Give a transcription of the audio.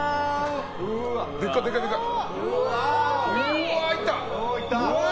うわ、いった！